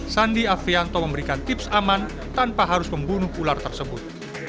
sandi afrianto memberikan tips aman tanpa harus membunuh ular tersebut